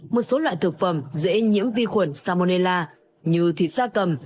một số loại thực phẩm dễ nhiễm vi khuẩn salmonella như thịt da cầm